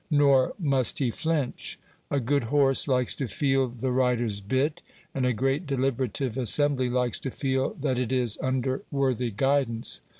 Nor must he flinch. A good horse likes to feel the rider's bit; and a great deliberative assembly likes to feel that it is under worthy guidance.